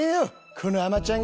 この甘ちゃんが！